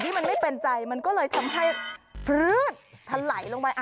ที่มันไม่เป็นใจมันก็เลยทำให้เพื่อ์ทถล่ายลงไป